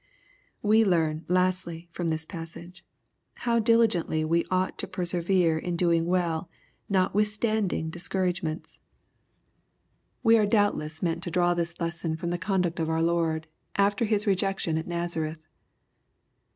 We learn, lastly, from this passage, how diligently we !' ought to persevere in welldoing^ notwithstanding discour^ agements. We are doubtless meant lo draw this lesson / LUKE, CHAP. lY. 123 from the 30iiduct of our Lord, after His rejection at Nazareth.